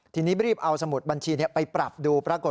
ที่นี่ไม่รีบเอาสมุดบัญชีนี้ไปปรับดูปรากฏว่า